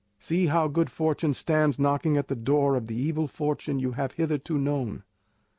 See how good fortune stands knocking at the door of the evil fortune you have hitherto known.